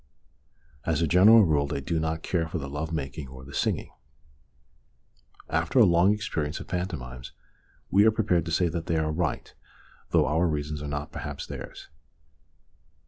As a general rule they do not care for the love making or the singing ; after a long experience of pantomimes we are prepared to say that they are right, though our reasons are not perhaps theirs.